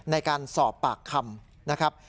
ในการสอบปากคำนะครับ